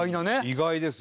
意外ですね。